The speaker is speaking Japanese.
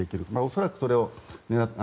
恐らくそれを。